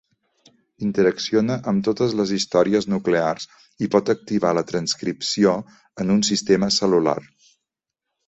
Interacciona amb totes les histones nuclears i pot activar la transcripció en un sistema cel·lular.